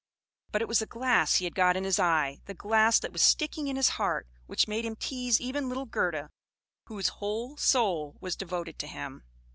But it was the glass he had got in his eye; the glass that was sticking in his heart, which made him tease even little Gerda, whose whole soul was devoted to him.